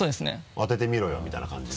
「当ててみろよ」みたいな感じで？